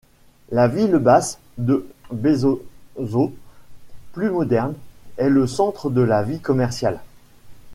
La ville basse de Besozzo, plus moderne, est le centre de la vie commerciale.